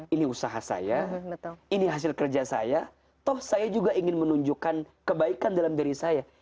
ini usaha saya ini hasil kerja saya toh saya juga ingin menunjukkan kebaikan dalam diri saya